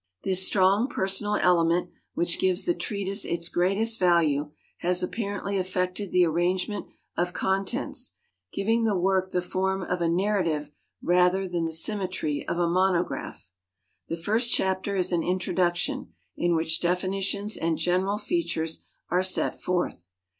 This strong personal element, which gives the treatise its greatest value, has apparently afTected the arrangement of contents, giving the work the form of a narrative rather than the sym metry of a monograi)h. The first chapter is an introduction, in which definitions and general features are set forth.